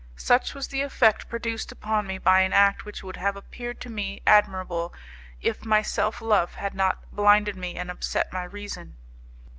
Such was the effect produced upon me by an act which would have appeared to me admirable, if my self love had not blinded me and upset my reason.